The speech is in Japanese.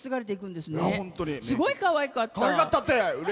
すごいかわいかった！